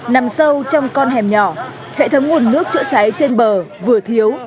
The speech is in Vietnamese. nằm sâu trong con hẻm nhỏ hệ thống nguồn nước chữa cháy trên bờ vừa thiếu